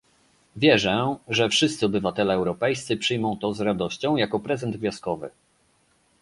Wierzę, że wszyscy obywatele europejscy przyjmą to z radością jako prezent gwiazdkowy